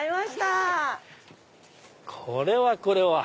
これはこれは！